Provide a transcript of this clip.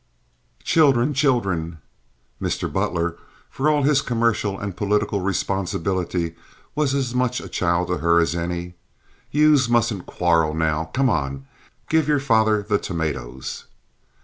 "Children! children!" (Mr. Butler, for all his commercial and political responsibility, was as much a child to her as any.) "Youse mustn't quarrel now. Come now. Give your father the tomatoes."